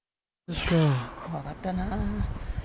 いやぁ、怖かったな。